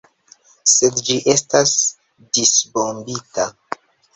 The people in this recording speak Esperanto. Sed ĝi estas disbombita!